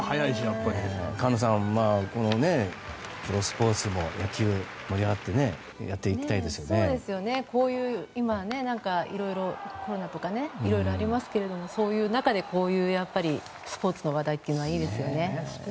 菅野さん、プロスポーツ、野球盛り上がって今、コロナとかいろいろありますけれどもそういう中でこういうスポーツの話題っていうのはいいですよね。